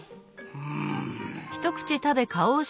うん。